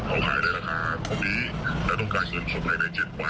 เอาไข้ได้ข้อมีและต้องการเงินสดใน๗วันนี้